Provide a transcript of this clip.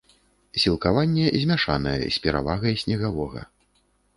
Сілкаванне змяшанае, з перавагай снегавога.